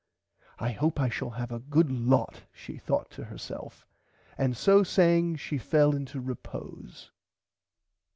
I hope I shall have a good lot she thourght to herself and so saying fell into repose.